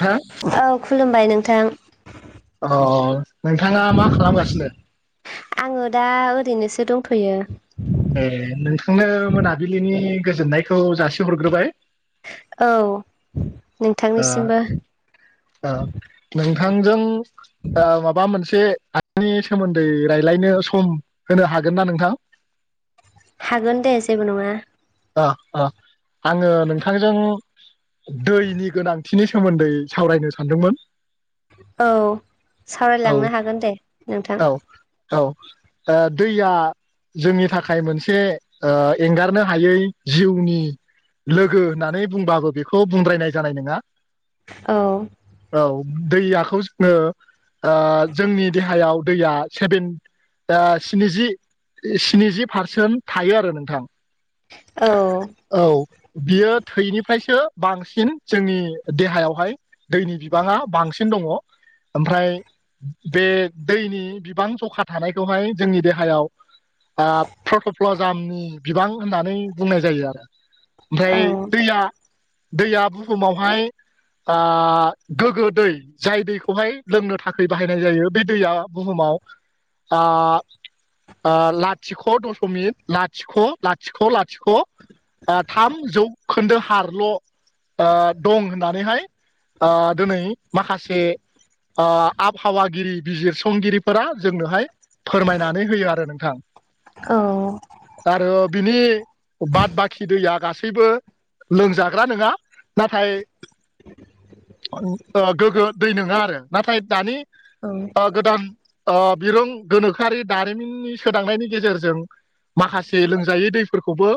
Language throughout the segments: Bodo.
हा औ खुलुमबाय नोंथां अ नोंथांङा मा खालामगासिनो आंङो दा ओरैनोसो दंथ'यो ए नोंथांनो मोनाबिलिनि गोजोननायखौ जासिहरग्रोबाय औ ओ नोंथांनिसिमबो नोंथांजों माबा मोनसे एसे आनि सोमोन्दै रायज्लायनो सम होनो हागोन ना नोंथां हागोनदे जेबो नंङा अ अ आंङो नोंथांजों दैनि गोनांथि बिनि सोमोन्दै सावरायनो सानदोंमोन। औ औ सावरायलांनो हागोन दे नोंथां। औ औ ओ दैया जोंनि थाखाय मोनसे ओ एंगारनो हायै जिउनि लोगो होननानै बुंबाबो बेखौ बुंद्रायनाय जानाय नङा। औ। औ दैयाखौ जोङो ओ जोंनि देहायाव दैया सेभेन दा स्निजि स्निजि पारसेन्ट थायो आरो नोंथां। औ। औ बियो थैनिफ्रायसो बांसिन जोंनि देहायावहाय। दैनि बिबाङा बांसिन दङ ओमफ्राय बे दैनि बिबां जखा थानायखौहाय जोंनि देहायाव ओ प्रटप्लजामनि बिबां होननानै बुंनाय जायो आरो। औ ओमफ्राय दैया दैया बुहुमावहाय ओ गोगो दै। जाय दैखौहाय लोंनो थाखाय बाहायनाय जायो बे दैया बुहुमाव ओ ओ लाथिख' दसमिक लाथिख' लाथिख' लाथिख'। आ थाम जौखोन्दो हारल' ओ दं होननानैहाय ओ दिनै माखासे ओ आबहावागिरि बिजिरसंगिरिफोरा जोंनोहाय फोरमायनानै होयो आरो नोंथां औ आरो बिनि बाद बाखि दैया गासैबो लोंजाग्रा नङा नाथाय गोग्गो दै नङा आरो नाथाय दानि औ ओ गोदान ओ बिरों गोनोखोआरि दारिमिननि सोदांनायनि गेजेरजों माखासे जायै दैफोरखौबो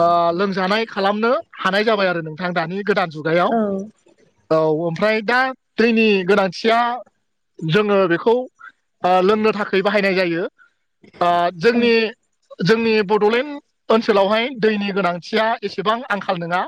ओ लोंजानाय खालामनो हानाय जाबाय आरो नोंथां दानि गोदान जुग [unintelligible] औ ओमफ्राय दा दैनि गोनांथिया जोङो बेखौ ओ लोंनो थाखाय बाहायनाय जायो। ओ जोंनि जोंनि बड'लेण्ड ओनसोलावहाय दैनि गोनांथिया एसेबां आंखाल नङा।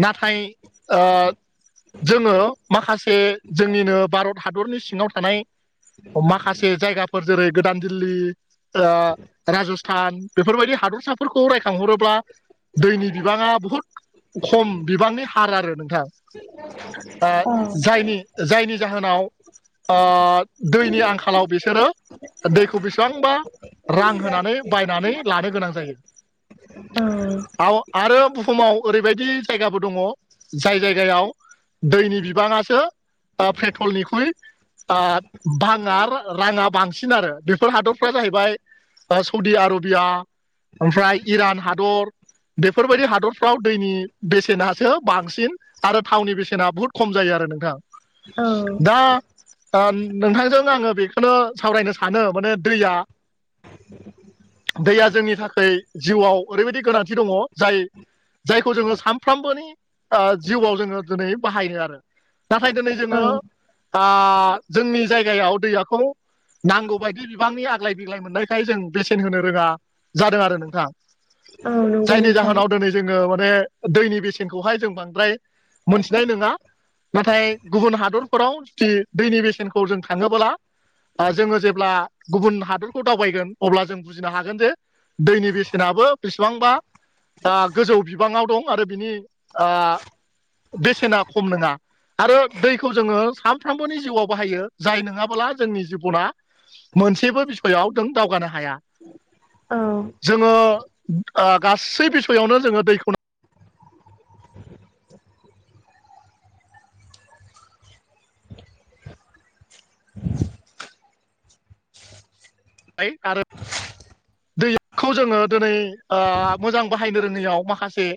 नाथाय ओ जोङो माखासे जोंनिनो भारत हादरनि सिङाव थानाय। माखासे जायगाफोर जेरै गोदान दिल्ली ओ राज सान बेफोरबायदि हादरसाफोरखौ रायखांहरोब्ला दैनि बिबाङा बहुद खम बिबांनि हार आरो नोंथां। ओ जायनि जायनि जाहोनाव ओ दैनि आंखालाव बिसोरो दैखौ बेसेबांबा रां होनानै बायनानै लानो गोनां जायो। औ। आव आरो बुहुमाव ओरैबायदि जायगाबो दङ जाय जायगायाव दैनि बिबाङासो पेट्रलनिख्रुइ ओ बाङा राङा बांसिन आरो बेफोर हादरफ्रा जाहैबाय सौदि आरबिया ओमफ्राय इरान हादर। बेफोरबायदि हादरफ्राव दैनि बेसेनासो बांसिन। आरो थावनि बेसेना बुहुद खम जायो आरो नोंथां। औ औ दा ओ नोंथांजों आङो बेखौनो सावरायनो सानो माने दैया [unintelligible] दैया जोंनि थाखाय जिउआव ओरैबायदि गोनांथि दङ जाय जायखौ जोङो सानफ्रामबोनि ओ जिउआव जोङो दिनै बाहायो आरो। नाथाय दिनै औ जोङो ओ जोंनि जायगायाव दैयाखौ नांगौ बायदि बिबांनि आग्लाय बिग्लाय मोननायखाय जों बेसेन होनो रोङा जादों आरो नोंथां। औ नंगौ जायनि नोंथां जाहोनाव दिनै जोङो माने दैनि बेसेनखौहाय जों बांद्राय मोनथिनाय नङा। नाथाय गुबुन हादरफोराव दि दैनि बेसेनखौ जों थाङोबोला आ जोङो जेब्ला गुबुन हादोरखौ दावबायगोन अब्ला जों बुजिनो हागोन जे दैनि बेसेनाबो बेसेबांबा आ गोजौ बिबाङाव दं आरो बिनि आ बेसेना खम नोङा। आरो दैखौ जोङो सानफ्रोमबोनि जिउआव बाहायो जाय नङाबोला जोंनि जिबना मोनसेबो बिसयआव दों दावगानो हाया। औ जोङो ओ गासै बिसयआवनो जोङो दैखौ ना आय आरो दैखौ जोङो दिनै आ मोजां बाहायनो रोङियाव माखासे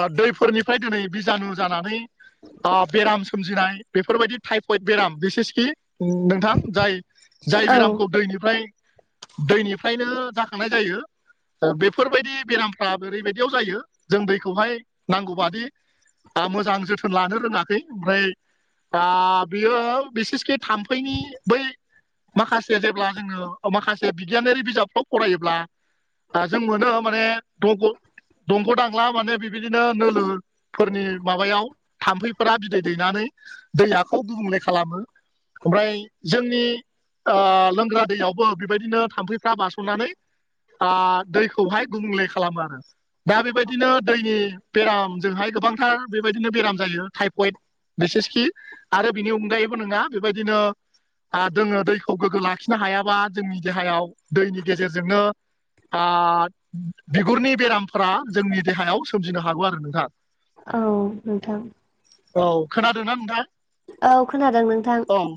आ दैफोरनिफ्राय दिनै बिजानु जानानै आ बेराम सोमजिनाय बेफोरबायदि टाइफयद बेराम बिसेसखि नोंथां जाय जाय औ बेरामखौ दैनिफ्राय दैनिफ्रायनो जाखांनाय जायो। ओ बेफोरबायदि बेरामफ्राबो ओरैबायदियाव जायो। जों दैखौहाय नांगौ बादि आ मोजां जोथोन लानो रोङाखै ओमफ्राय बा बियो बिसेसकि थाम्फैनि बै माखासे जेब्ला जोङो औ माखासे बिगियानारि बिजाबफाव फरायोब्ला हा जों मोनो माने दंग' दंग' दागला माने बेबायदिनो नोलो फोरनि माबायाव थाम्फैफोरा बिदै दैनानै दैआखौ गुबुंले खालामो। ओमफ्राय जोंनि ओ लोंग्रा दैयावबो बेबायदिनो थाम्फैफ्रा बारसननानै आ दैखौहाय गुबुंले खालामो आरो। दा बेबायदिनो दैनि बेरामजोंहाय गोबांथार बेबायदिनो बेराम जायो टाइफयद बिसेसखि आरो बिनि अनगायैबो नोङा बेबायदिनो आ दोङो दैखौ गोग्गो लाखिनो हायाबा जोंनि देहायाव दैनि गेजेरजोंनो आ बिगुरनि बेरामफ्रा जोंनि देहायाव सोमजिनो हागौ आरो नोंथां। औ नोंथां। औ खोनादों ना नोंथां? औ खोनादों नोंथां। अं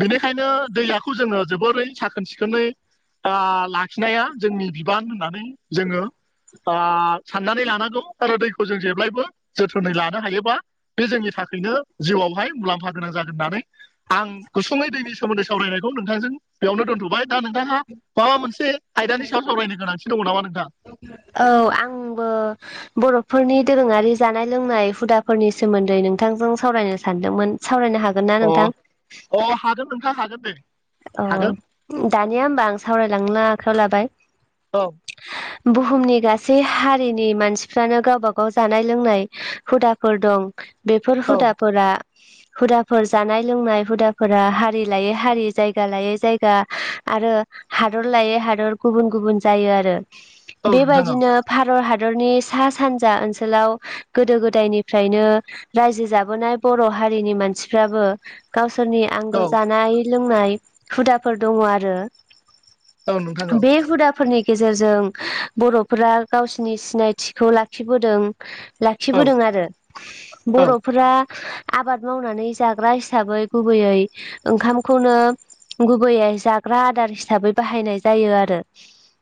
बेनिखायनो दैयाखौ जोङो जोबोरै साखोन सि खोनै आ लाखिनाया जोंनि बिबान होननानै जोङो आ साननानै लानांगौ आरो दैखौ जों जेब्लायबो जोथोनै लानो हायोबा बे जोंनि थाखायनो जिउआवहाय मुलाम्फा गोनां जागोन होननानै आं गुसुङै दैनि सोमोन्दै सावरायनायखौ नोंथांजों बेयावनो दोनथ'बाय। दा नोंथाङा माबा मोनसे आयदानि सायाव सावरायनो गोनांथि दङ नामा नोंथां? औ आंबो बर'फोरनि दोरोङारि जानाय लोंनाय हुदाफोरनि सोमोन्दै नोंथांजों सावरायनो सानदोंमोन सावरायनो हाग उम अ' हागोन नोंथां हागोन दे। हागोन। अ' दानिया होमबा आं सावरायलांनो आखायाव लाबाय। [inaudible] बुहुमनि गासै हारिनि मानसिफ्रानो गावबा गाव जानाय लोंनाय हुदाफोर दं। बेफोर औ हुदाफोरा हुदाफोर जानाय लोंनाय हुदाफोरा हारि लायै हारि जायगा लायै जायगा आरो हादर लायै हादर गुबुन गुबुन जायो आरो। औ नोंथां बेबायदिनो भारत हादरनि सा सानजा ओनसोलाव गोदो गोदायनिफ्रायनो रायजो जाबोनाय बर' हारिनि मानसिफ्राबो गावसोरनि औ आंगो औ जानाय लोंनाय हुदाफोर दङ आरो। औ नोंथां औ बे हुदाफोरनि गेजेरजों बर'फोरा गावसिनि सिनायथिखौ लाख खिबोदों औ लाखिबोदों आरो। औ बर'फोरा आबाद मावनानै जाग्रा हिसाबै गुबैयै ओंखाम खौनो गुबैयै जाग्रा आदार हिसाबै बाहायनाय जायो आरो।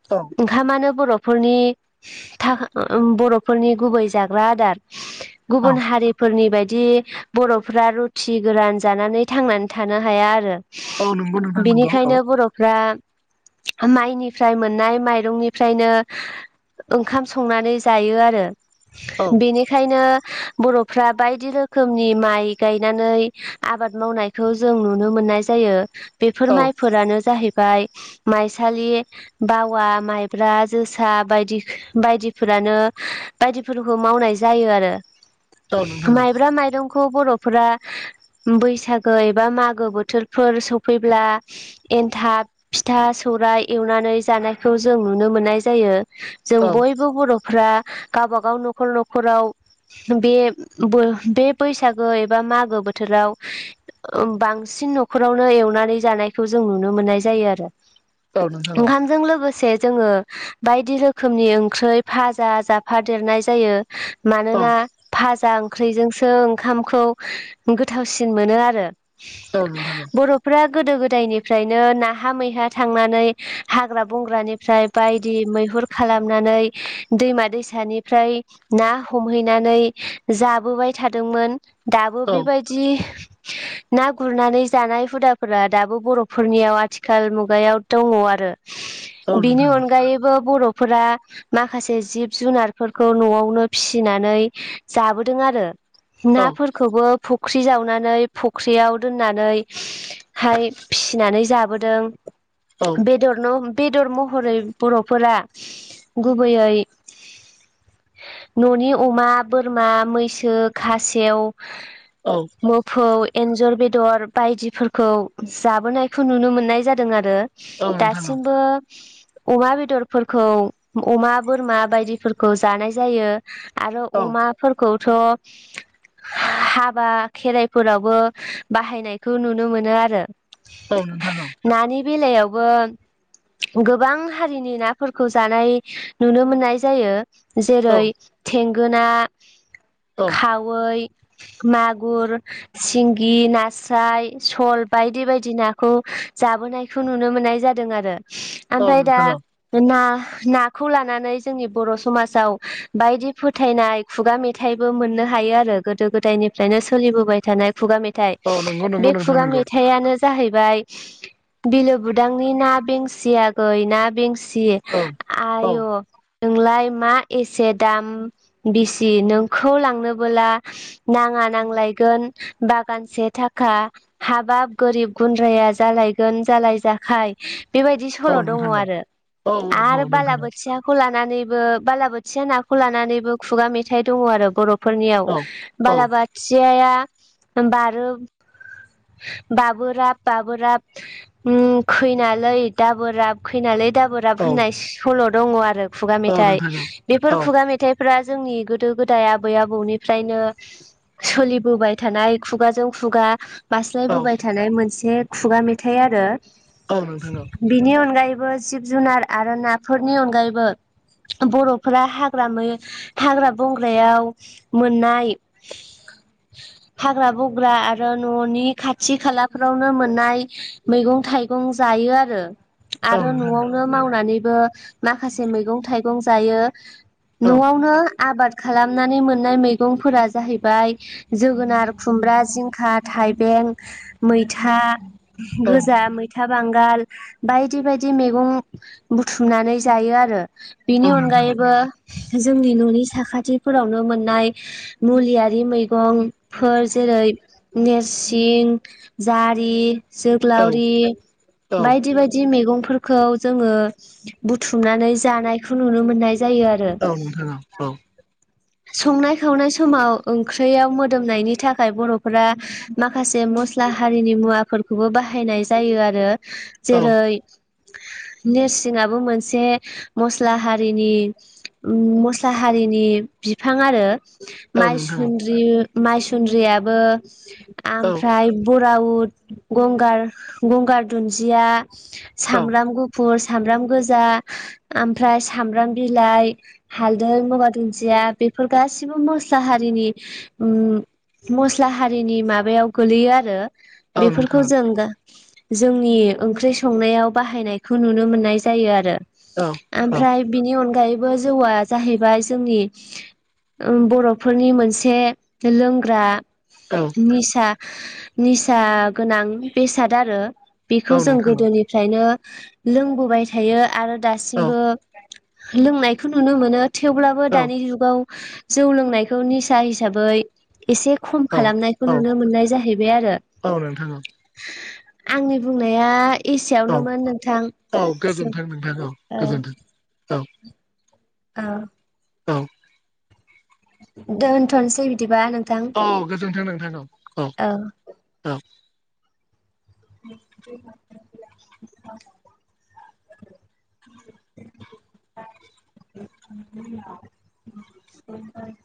औ ओंखामानो बर'फोरनि था बर'फोरनि गुबै जाग्रा आदार। औ गुबुन हारिफोरनि बायदि बर'फ्रा रुथि गोरान जानानै थांनानै थानो हाया आरो। औ नंगौ नोंथां नंगौ औ बिनिखायनो बर' फ्रा माइनिफ्राय मोननाय माइरंनिफ्रायनो ओंखाम संनानै जायो आरो औ बेनि खायनो बर'फ्रा बायदि रोखोमनि माइ गायनानै आबाद मावनाय खौ जों नुनो मोननाय जायो बेफोर औ माइफोरानो जाहैबाय माइसालि बावा माइब्रा जोसा बायदि बायदिफोरानो बायदिफोरखौ मावनाय जायो आरो। [inaudible] नोंथां माइब्रा माइरंखौ बर'फोरा बैसागो एबा मागो बोथोर फोर सफैब्ला एन्थाब फिथा सौराइ एवनानै जानायखौ जों नुनो मोननाय जायो। जों औ बयबो बर'फ्रा गावबाागाव न'खर न'खराव बे बो बे बैसागो एबा मागो बोथोराव बांसिन न'खरावनो एवनानै जानायखौ जों नुनो मोननाय जायो आरो। औ नोंथां औ ओंखामजों लोगोसे जोङो बायदि रोखोमनि ओंख्रै फाजा जाफा देरनाय जायो औ मानोना फाजा ओंख्रैजोंसो ओंखामखौ गोथावसिन मोनो आरो। औ नोंथां औ बर'फ्रा गोदो गोदायनिफ्रायनो नाहा मैहा थांनानै हाग्रा बंग्रानिफ्राय बायदि मैहुर खालामनानै दैमा दैसानिफ्राय ना हमहैनानै जाबोबाय थादोंमोन। दाबो औ नोंथां औ बेबायदि ना गुरनानै जानाय हुदाफोरा दाबो बर'फोरनियाव आथिखाल मुगायाव दङ' आरो औ बिनि नोंथां औ नोंथां अनगायैबो बर'फोरा माखासे जिब जुनारफोरखौ न'आवनो फिसिनानै जाबोदों आरो। औ औ नोंथां नाफोरखौबो फख्रि जावनानै फख्रियाव दोननानै हाय फिसिनानै जाबोदों बेदरनो बेदर महरै बर'फोरा गुबैयै न'नि अमा बोरमा मैसो खासेव औ मोफौ एन्जर बेदर बायदिफोरखौ जाबोनायखौ नुनो मोननाय जादों आरो। दासिमबो अमा बेदरफोरखौ अमा बोरमा बायदिफोरखौ जानाय जायो। आरो अमा फोरखौथ' हा-हाबा खेराइफोरावबो बाहायनाय खौ नुनो मोनो आरो। औ नोंथां औ नानि बेलायावबो गोबां हारिनि नाफोरखौ जानाय नुनो मोननाय जायो। जेरै थेंगोना खा वै मागुर सिंगि नास स्राय सल बायदि बायदि नाखौ जाबोनायखौ नुनो मोननाय जादों आरो। ओमफ्राय दा औ ना -नाखौ लानानै जोंनि बर' समाजाव बायदि फोथायनाय खुगा मेथाइबो मोननो हायो आरो गोदो गोदायनिफ्रायनो सोलिबोबाय थानाय खुगा मेथाइ नंगौ नंगौ बे नोंथां खुगा नंगौ मेथाइयानो जाहैबाय बिलो बुदांनि ना बेंसि आगै ना बेंसि औ औ आय' नोंलाय मा एसे दाम बेसि नोंखौ लांनोबोला नाङा नांलायगोन बागानसे थाख खा हाबाब गोरिब गुन्द्राया जालायगोन जालाय -जाखाय बेबायदि औ सल' दङ नोंथां औ आरो औ औ -आरो नोंथां बालाबोथिया खौ लानानैबो बालाबोथिया नाखौ लानानैबो खुगा मेथाइ दङ आरो बर' फोरनियाव औ बालाबाथियाया बारो बाबोराब बाबोराब उम खैनालै दा बोराब खैनालै दा बोर राब औ होननाय सल' दङ आरो खुगा मेथाइ नोंथां बेफोर औ खुगा मेथाइ फोरा जोंनि गोदो गोदाय आबै आबौनिफ्रायनो सोलिबोबाय थानाय खुगाजों खुगा बास्लायबोबाय थानाय मोनसे खुगा मेथाइ आरो। औ नोंथां। बिनि अनगायैबो जिब जुनार आरो नाफोरनि अनगायैबो बर'फोरा हाग्रा मै हाग्रा बंग्रायाव मोननाय हाग्रा बं फोरा आरो न'नि खाथि खालाफोरावनो मोननाय मैगं थाइगं जायो आरो। आरो न'आवनो मावनानैबो माखासे मैगं थाइगं जायो। औ न'आवनो आबाद खालामनानै मोननाय मैगंफोरा जाहैबाय जोगोनार, खुमब्रा, जिंखा थाइबें मैथा, गोजा मैथ था बांगाल बायदि बायदि मैगं बुथुमनानै जायो आरो। बेनि औ नोंथां अनगायैबो जोंनि न'नि साखाथिफोरावनो मोननाय मुलियारि मैगंफोर जेरै नेरसिं जारि औ जोग्लावरि औ बायदि बाय जि मैगंफोरखौ जोङो बुथुमनानै जानायखौ नुनो मोननाय जायो आ औ नोंथां औ औ। संनाय खावनाय समाव ओंख्रियाव मोदोमनायनि थाखाय बर'फोरा माखासे मस्ला हारिनि मुवाफोरखौबो बाहायनाय जायो आरो औ जेरै नेरसिंआबो मोनसे मस्ला हारिनि उम मस्लाहारिनि बिफां आरो औ नोंथां माइसुन्द्रि माइसुन्द्रियाबो औ ओमफ्राय बराउ, गंगार गंगार दुन्जिया, औ साम्राम गुफुर। सामब्राम गोजा ओमफ्राय सामब्राम बिलाइ हालदै मबा दुन्दिया बेफोर गासिबो मस्ला हारिनि। उम मस्ला हारिनि माबायाव गोलैयो आरो। औ बेफोरखौ नोंथां जों जोंनि ओंख्रि संनायाव बाहायनायखौ नुनो मोननाय जायो आरो औ औ ओमफ्राय बिनि अनगायैबो जौआ जाहैबाय जोंनि बर'फोरनि मोनसे लोंग्रा औ। निसा निसा गोनां बेसाद आरो बेखौ औ जों नोंथां गोदोनि फ्रायनो लोंबोबाय थायो आरो औ दासिमबो लोंनायखौ नुनो मोनो औ थेवब्लाबो औ दानि जुगाव जौ लोंनायखौ निसा हिसाबै एसे खम खालामनायखौ औ नुनो मोननाय जाहैबाय आरो। औ नोंथां आंनि बुंनाया औ एसेयावनोमोन नोंथां। औ गोजोनथों नोंथां औ। गोजोनथों औ अ औ। दोनथ'नोसै बिदिबा नों औ गोजोनथों नोंथां औ औ औ। [unintelligible] [unintelligible]